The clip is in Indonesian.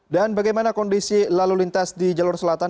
dan bagaimana kondisi lalu lintas di jalur selatan